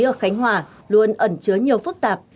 ở khánh hòa luôn ẩn chứa nhiều phức tạp